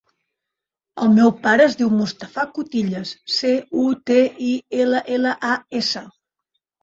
El meu pare es diu Mustafa Cutillas: ce, u, te, i, ela, ela, a, essa.